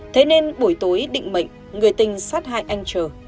thế nên buổi tối định mệnh người tình sát hại anh chờ